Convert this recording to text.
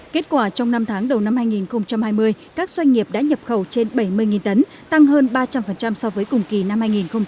kết quả trong năm tháng đầu năm hai nghìn hai mươi các doanh nghiệp đã nhập khẩu trên bảy mươi tấn tăng hơn ba trăm linh so với cùng kỳ năm hai nghìn một mươi chín